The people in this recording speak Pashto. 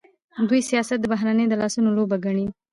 دوی سیاست د بهرنیو د لاسونو لوبه ګڼي.